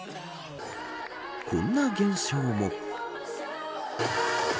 こんな現象も。